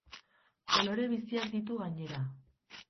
Kolore biziak ditu, gainera.